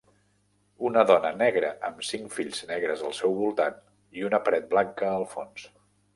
Una dona negra amb cinc fills negres al seu voltant i una paret blanca al fons.